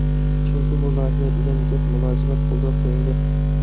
چۈنكى، بۇ لايىھە دېگەن گەپ مۇلازىمەت قىلدۇق دېگەن گەپ.